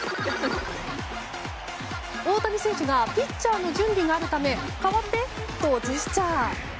大谷選手がピッチャーの準備があるため代わって！とジェスチャー。